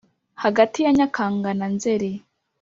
hagati ya nyakanga na nzeri